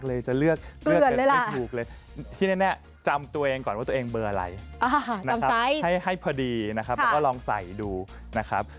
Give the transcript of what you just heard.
และก็ลองใส่ดูนะครับ